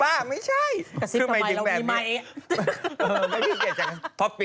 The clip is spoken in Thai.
บ้าไม่ใช่